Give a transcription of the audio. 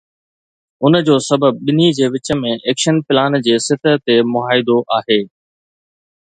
ان جو سبب ٻنهي جي وچ ۾ ايڪشن پلان جي سطح تي معاهدو آهي.